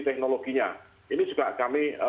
teknologinya ini juga kami